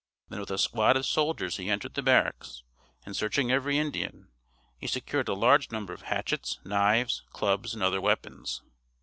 Then with a squad of soldiers he entered the barracks and searching every Indian, he secured a large number of hatchets, knives, clubs and other weapons.